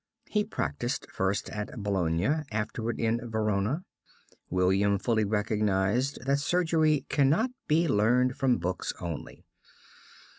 He practised first at Bologna, afterward in Verona. William fully recognised that surgery cannot be learned from books only.